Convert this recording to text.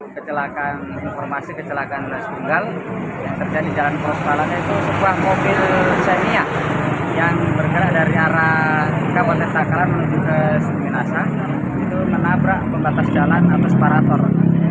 kecelakaan informasi kecelakaan nasi bungal yang terjadi di jalan prospalan itu sebuah mobil semiak yang bergerak dari arah kampotentakalan menuju ke suminasa itu menabrak pembatas jalan atau separator